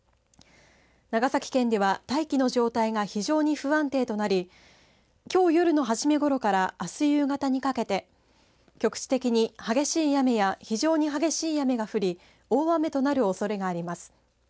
長崎県では大気の状態が非常に不安定となりきょう夜の初めごろからあす夕方にかけて局地的に激しい雨や非常に激しい雨が降り大雨となるおそれがあります。